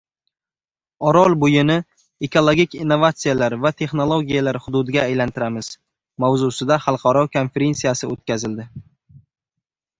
“Orolbo‘yini ekologik innovatsiyalar va texnologiyalar hududiga aylantiramiz” mavzusida xalqaro konferensiyasi o‘tkazildi